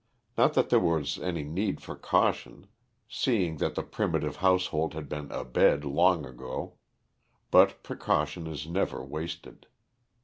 Not that there was any need for caution, seeing that the primitive household had been abed long ago. But precaution is never wasted.